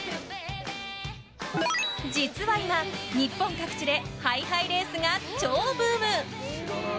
実は今、日本各地でハイハイレースが超ブーム。